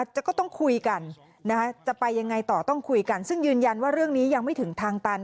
จะต้องคุยกันจะไปยังไงต่อต้องคุยกันซึ่งยืนยันว่าเรื่องนี้ยังไม่ถึงทางตัน